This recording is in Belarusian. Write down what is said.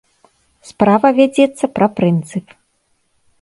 Справа вядзецца пра прынцып.